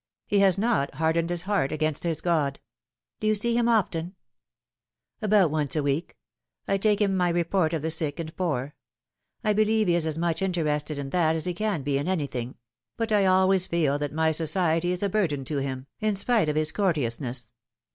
He has not hardened his heart against his God." " Do you see him often ?"" About once a week. I take him my report of the sick and poor. I believe he is as much interested in that as he can be in anything ; but I always feel that my society is a burden to him, in spite of his courteousness.